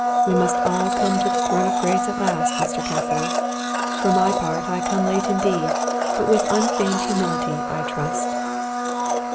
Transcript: We must all come to the throne of grace at last, Mr. Cas silis. For my part, I come late indeed ; but with unfeigned humility, I trust."